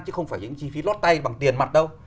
chứ không phải những chi phí lót tay bằng tiền mặt đâu